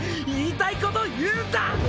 言いたいことを言うんだ！